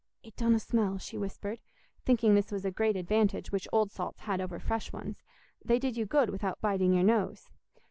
"It donna smell," she whispered, thinking this was a great advantage which old salts had over fresh ones: they did you good without biting your nose.